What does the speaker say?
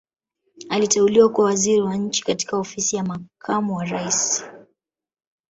aliteuliwa kuwa Waziri wa nchi katika ofisi ya makamu wa raisi